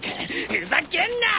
ふざけんな！